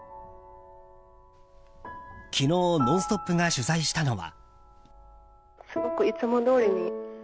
昨日、「ノンストップ！」が取材したのは。